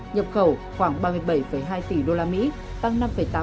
nhập khẩu khoảng ba mươi bảy hai tỷ usd tăng năm tám